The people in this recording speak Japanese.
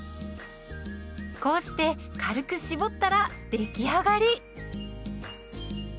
こうして軽く絞ったら出来上がり。